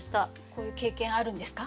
こういう経験あるんですか？